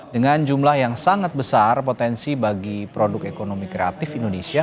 dengan jumlah yang sangat besar potensi bagi produk ekonomi kreatif indonesia